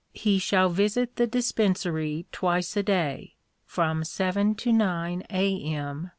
He shall visit the Dispensary twice a day, from 7 to 9 A.M.